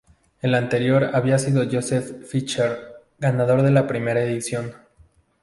El anterior había sido Josef Fischer, ganador de la primera edición.